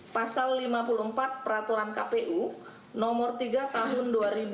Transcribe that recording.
pasal lima puluh empat peraturan kpu nomor tiga tahun dua ribu dua puluh